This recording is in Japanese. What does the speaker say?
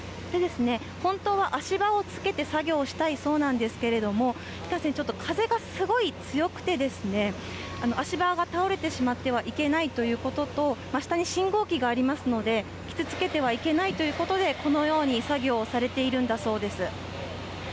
本当は足場をつけて作業したいそうなんですけれども、いかんせん、ちょっと風がすごい強くて、足場が倒れてしまってはいけないということと、真下に信号機がありますので、傷つけてはいけないということで、このように作業をされているんだそうです。